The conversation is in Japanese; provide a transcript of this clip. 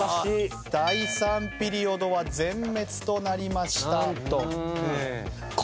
第３ピリオドは全滅となりました。